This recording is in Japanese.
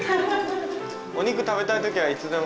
お肉食べたいときはいつでも。